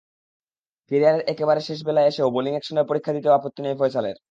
ক্যারিয়ারের একেবারে শেষ বেলায় এসেও বোলিং অ্যাকশনের পরীক্ষা দিতে আপত্তি নেই ফয়সালের।